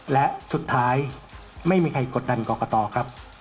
และสุดท้ายไม่มีใครกดดันกรกตครับ